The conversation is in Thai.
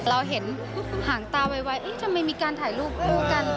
เราเห็นหางตาไวทำไมมีการถ่ายรูปคู่กัน